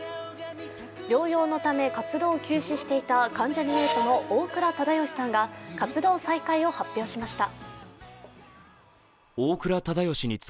療養のため活動を休止していた関ジャニ∞の大倉忠義さんが活動再開を発表しました。